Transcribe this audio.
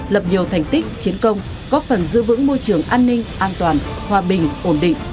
lập nhiều thành tích chiến công góp phần giữ vững môi trường an ninh an toàn hòa bình ổn định